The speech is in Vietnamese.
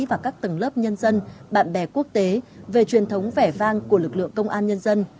và các tầng lớp nhân dân bạn bè quốc tế về truyền thống vẻ vang của lực lượng công an nhân dân